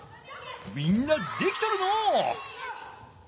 みんなできとるのう。